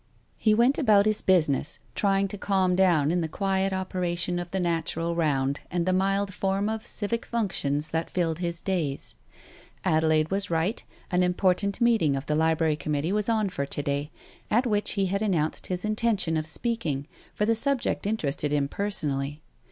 ... He went about his business, trying to calm down in the quiet operation of the natural round, and the mild form of civic functions that filled his days. Adelaide was right, an important meeting of the Library Com mittee was on for to day, at which he had announced his intention of speaking, for the subject interested him personally.